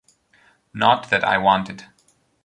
Not that I want it.